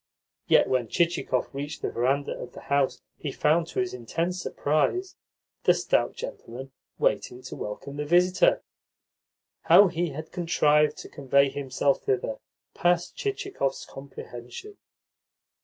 Yet when Chichikov reached the verandah of the house he found, to his intense surprise, the stout gentleman waiting to welcome the visitor. How he had contrived to convey himself thither passed Chichikov's comprehension.